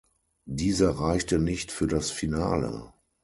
Dieser reichte nicht für das Finale.